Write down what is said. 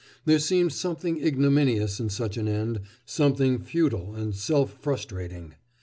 There seemed something ignominious in such an end, something futile and self frustrating.